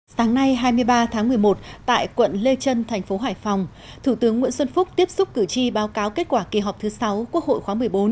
sáng nay hai mươi ba tháng một mươi một tại quận lê trân thành phố hải phòng thủ tướng nguyễn xuân phúc tiếp xúc cử tri báo cáo kết quả kỳ họp thứ sáu quốc hội khóa một mươi bốn